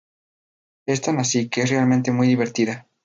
Es tan así que es realmente muy divertida".